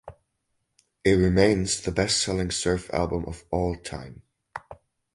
It remains the best selling surf album of all time.